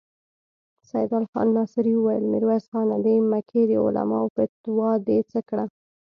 سيدال خان ناصري وويل: ميرويس خانه! د مکې د علماوو فتوا دې څه کړه؟